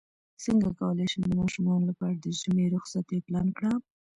څنګه کولی شم د ماشومانو لپاره د ژمی رخصتۍ پلان کړم